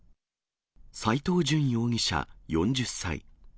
斎藤淳容疑者４０歳。